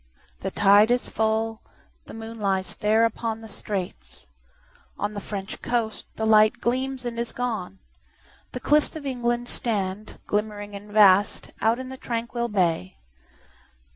The tide is full, the moon lies fairUpon the straits;—on the French coast the lightGleams and is gone; the cliffs of England stand, Glimmering and vast, out in the tranquil bay.